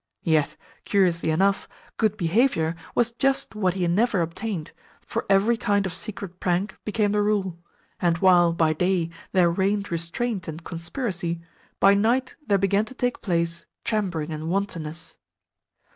Yet, curiously enough, good behaviour was just what he never obtained, for every kind of secret prank became the rule; and while, by day, there reigned restraint and conspiracy, by night there began to take place chambering and wantonness.